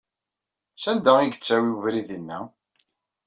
Sanda ay yettawey webrid-inna?